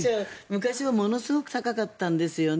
昔はものすごく高かったんですよね。